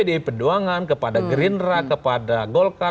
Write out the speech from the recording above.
pdi perjuangan kepada green rock kepada golkar